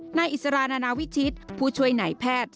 นายอิสรานานาวิชิตผู้ช่วยไหนแพทย์